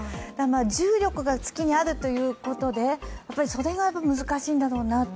重力が月にあるということでそれが難しいんだろうなって。